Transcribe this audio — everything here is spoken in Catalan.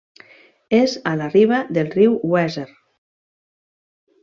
És a la riba del riu Weser.